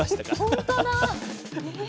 本当だ。